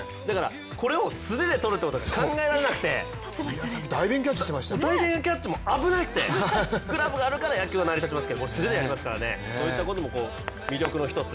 これを素手でとるということが考えられなくてダイビングキャッチも危ないって、グラブがあるから野球では成り立つんですが素手でやりますからね、そういったことも魅力の１つ。